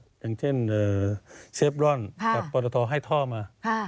อย่างเช่นเซฟรอนกับปตทให้ท่อมา